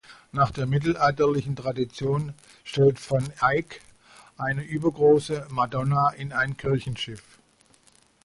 Nach der mittelalterlichen Tradition stellt Van Eyck eine übergroße Madonna in ein Kirchenschiff.